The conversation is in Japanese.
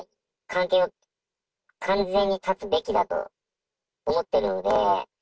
関係を完全に絶つべきだと思っているので。